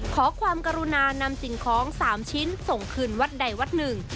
ขอความกรุณานำสิ่งของ๓ชิ้นส่งคืนวัดใดวัดหนึ่ง